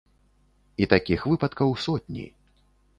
І такіх выпадкаў сотні.